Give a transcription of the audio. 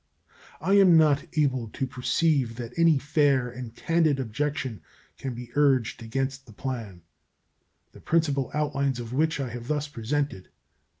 I am not able to perceive that any fair and candid objection can be urged against the plan, the principal outlines of which I have thus presented.